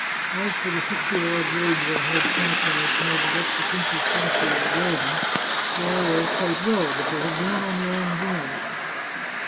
As for the sixty odd rogues I had shot when they tried to wreck the prince's statue in the gardens, they are all quite well, but they have gone on long journeys.